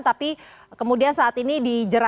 tapi kemudian saat ini dijerat